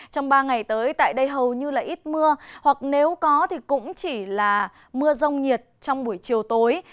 trong ba ngày tới tại đây hầu như là ít mưa hoặc nếu có thì cũng chỉ là mưa rông nhiệt trong buổi chiều tối